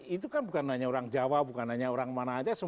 itu kan bukan hanya orang jawa bukan hanya orang mana saja